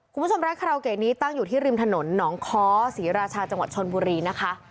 คุณผู้ชมร้านคาราโอเกะนี้ตั้งอยู่ที่ริมถนนหนองค้อศรีราชาจังหวัดชนบุรีนะคะ